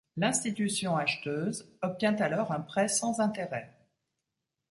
L’institution acheteuse obtient alors un prêt sans intérêt.